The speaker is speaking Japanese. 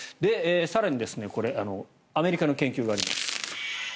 更にアメリカの研究があります。